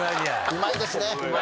うまいですね。